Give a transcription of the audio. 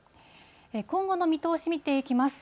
今後の見通し見ていきます。